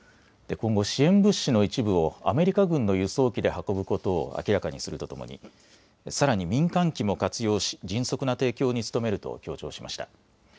今後、支援物資の一部をアメリカ軍の輸送機で運ぶことを明らかにするとともにさらに民間機も活用し迅速な提供に努めると強調しました。